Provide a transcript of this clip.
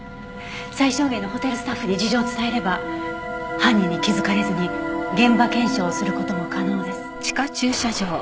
最小限のホテルスタッフに事情を伝えれば犯人に気づかれずに現場検証をする事も可能です。